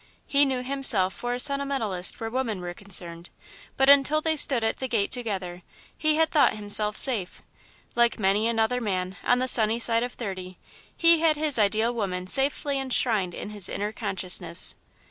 He knew himself for a sentimentalist where women were concerned, but until they stood at the gate together, he had thought himself safe. Like many another man, on the sunny side of thirty, he had his ideal woman safely enshrined in his inner consciousness.